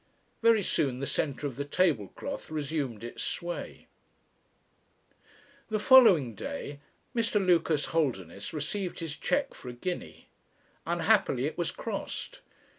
Very soon the centre of the table cloth resumed its sway. The following day Mr. Lucas Holderness received his cheque for a guinea. Unhappily it was crossed.